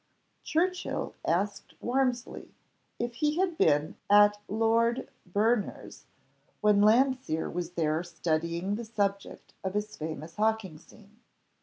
Churchill asked Warmsley if he had been at Lord Berner's when Landseer was there studying the subject of his famous hawking scene.